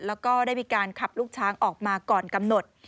แล้วก็ได้มีการขับลูกช้างออกมาก่อนกำหนด